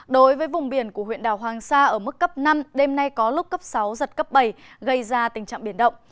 đối với vùng biển của huyện đảo hoàng sa ở mức cấp năm đêm nay có lúc cấp sáu giật cấp bảy gây ra tình trạng biển động